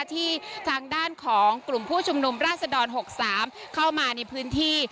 ที่ทางด้านของกลุ่มผู้ชุมนุมราชดร๖๓เข้ามาในพื้นที่